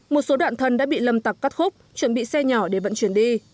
một số đoạn thân đã bị lâm tặc cắt khúc chuẩn bị xe nhỏ để vận chuyển đi